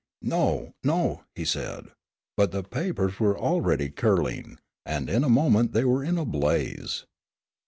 "No, no!" he said. But the papers were already curling, and in a moment they were in a blaze.